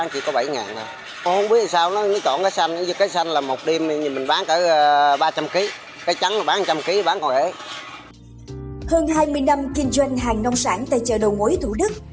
hơn hai mươi năm kinh doanh hàng nông sản tại chợ đầu mối thủ đức